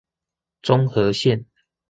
中和線